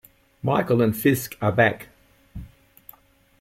Michael and Fisk are back.